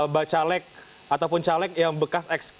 bacalek ataupun caleg yang bekas